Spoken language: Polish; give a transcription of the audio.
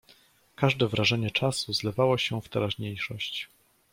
"Każde wrażenie czasu zlewało się w teraźniejszość."